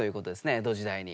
江戸時代に。